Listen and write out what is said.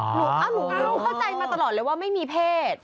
หนูก็รู้เข้าใจมาตลอดเลยว่าไม่มีเพศ